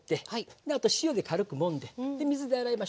あと塩で軽くもんで水で洗いましょう。